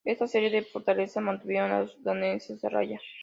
Esta serie de fortalezas, mantuvieron a los daneses a raya.